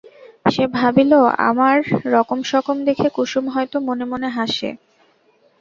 সে ভাবিল, আমার রকমসকম দেখে কুসুম হয়তো মনে মনে হাসে।